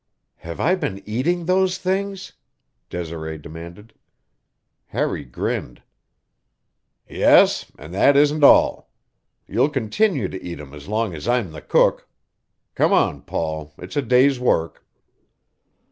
"Have I been eating those things?" Desiree demanded. Harry grinned. "Yes, and that isn't all. You'll continue to eat 'em as long as I'm the cook. Come on, Paul; it's a day's work."